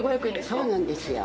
そうなんですよ。